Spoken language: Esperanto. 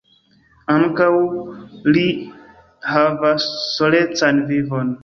Ankaŭ ri havas solecan vivon.